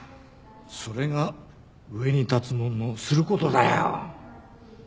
それが上に立つ者のする事だよ。